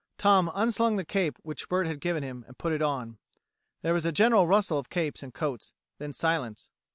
Tom unslung the cape which Bert had given him and put it on. There was a general rustle of capes and coats: then silence.